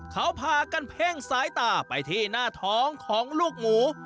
เขาพากันเพ่งสายตาไปที่หน้าท้องของลูกหมู